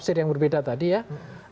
karena tidak ada yang